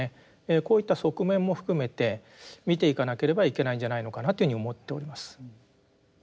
こういった側面も含めて見ていかなければいけないんじゃないのかなというふうに思っております。